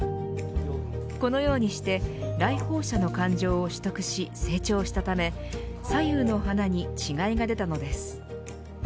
このようにして来訪者の感情を取得し、成長したため左右の花に違いが出たのです。